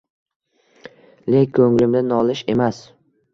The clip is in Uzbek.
Lek ko’nglimda nolish emas